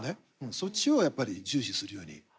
そっちをやっぱり重視するように。